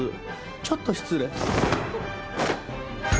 ちょっと失礼。